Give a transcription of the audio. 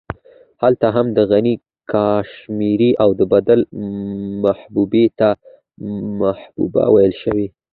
هلته هم د غني کاشمېري او د بېدل محبوبې ته محبوبه ويل شوې.